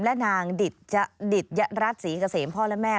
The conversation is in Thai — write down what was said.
และนางดิตยรัฐศรีเกษมพ่อและแม่